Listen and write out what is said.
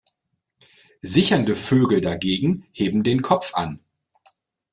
Sichernde Vögel dagegen heben den Kopf an.